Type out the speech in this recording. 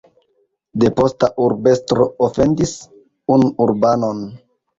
Despota urbestro ofendis unu urbanon.